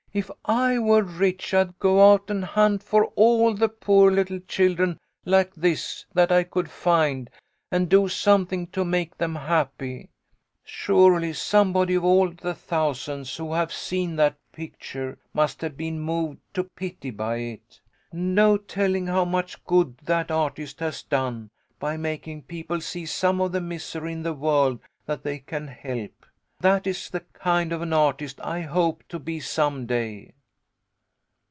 "If I were rich I'd go out and hunt for all the poor little children like this that I could find, and do something to make them happy. Surely somebody of all the thousands who have seen that picture must have been moved to pity by it. No telling how much good that artist has done, by making people see some of the misery in the world that they can help. That is the kind of an artist I hope to be some day."